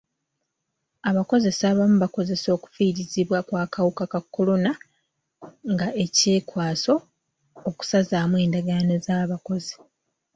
Abakozesa abamu bakozesa okufiirizibwa kw'akawuka ka kolona nga ekyekwaso okusazaamu endagaano z'abakozi.